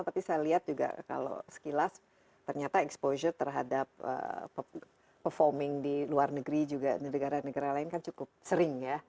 tapi saya lihat juga kalau sekilas ternyata exposure terhadap performing di luar negeri juga di negara negara lain kan cukup sering ya